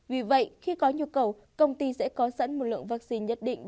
vì vậy khi có nhu cầu công ty sẽ có sẵn một lượng vaccine nhất định